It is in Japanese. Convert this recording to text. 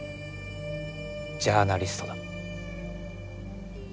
ジャーナリストだ。